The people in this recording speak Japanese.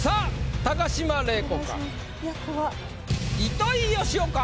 糸井嘉男か？